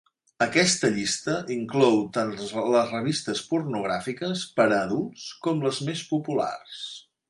Aquesta llista inclou tant les revistes pornogràfiques "per a adults" com les més populars.